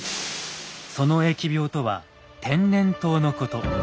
その疫病とは「天然痘」のこと。